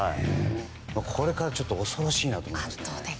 これからが恐ろしいなと思いますね。